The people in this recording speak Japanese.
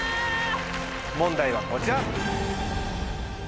問題はこちら。